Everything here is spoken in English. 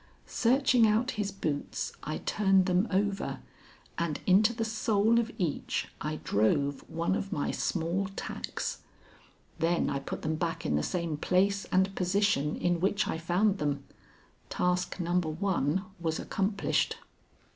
Searching out his boots, I turned them over, and into the sole of each I drove one of my small tacks. Then I put them back in the same place and position in which I found them. Task number one was accomplished.